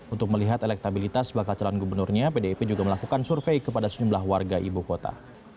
untuk melihat elektabilitas bakal calon gubernurnya pdip juga melakukan survei kepada sejumlah warga ibu kota